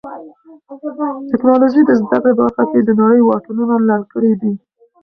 ټیکنالوژي د زده کړې په برخه کې د نړۍ واټنونه لنډ کړي دي.